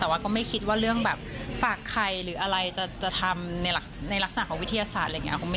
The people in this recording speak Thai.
แต่ว่าก็ไม่คิดว่าเรื่องแบบฝากใครหรืออะไรจะทำในลักษณะของวิทยาศาสตร์อะไรอย่างนี้